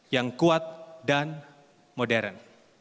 yang kuat dan modern